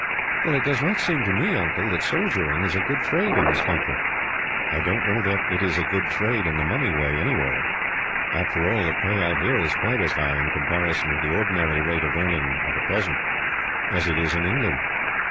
"Well, it does not seem to me, Uncle, that soldiering is a good trade in this country." "I don't know that it is a good trade, in the money way, anywhere. After all, the pay out here is quite as high, in comparison with the ordinary rate of earning of a peasant, as it is in England.